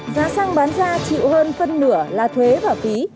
giá xăng bán ra chịu hơn phân nửa là thuế và phí